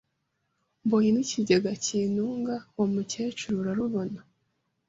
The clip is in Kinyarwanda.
Mbonye n'ikigega kintunga Uwo mukecuru ararubana